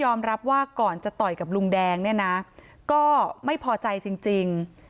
รับว่าก่อนจะต่อยกับลุงแดงเนี่ยนะก็ไม่พอใจจริง